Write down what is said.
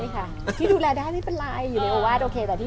ครับที่ดูแลได้ไม่เป็นไร